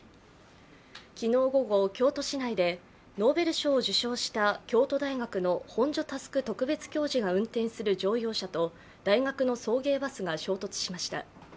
昨日午後、京都市内でノーベル賞を受賞した京都大学の本庶佑特別教授が運転する乗用車と大学の送迎バスが衝突しました。